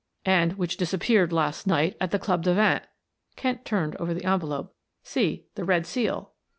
"And which disappeared last night at the Club de Vingt." Kent turned over the envelope. "See, the red seal."